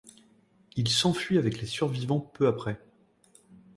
Il s'enfuit avec les survivants peu après.